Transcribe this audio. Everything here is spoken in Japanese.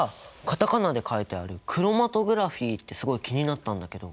カタカナで書いてあるクロマトグラフィーってすごい気になったんだけど。